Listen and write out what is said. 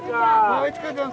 ああいちかちゃん